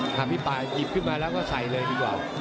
ถ้าพี่ป่าหยิบขึ้นมาแล้วก็ใส่เลยดีกว่า